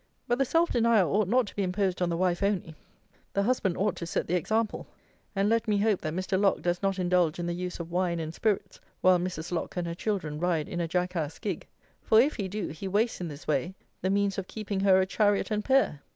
But the self denial ought not to be imposed on the wife only: the husband ought to set the example: and let me hope that Mr. Lock does not indulge in the use of wine and spirits while Mrs. Lock and her children ride in a jackass gig; for if he do, he wastes, in this way, the means of keeping her a chariot and pair.